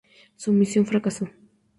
Su misión fracasó.